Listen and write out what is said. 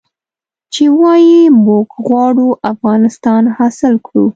چې ووايي موږ غواړو افغانستان حاصل کړو.